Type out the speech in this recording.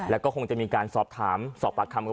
แล้วก็คงจะมีการสอบถามสอบปากคำกัน